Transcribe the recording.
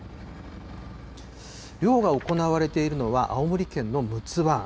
漁が行われているのは、青森県の陸奥湾。